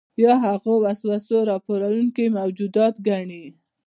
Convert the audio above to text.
یا هغوی وسوسه راپاروونکي موجودات ګڼي.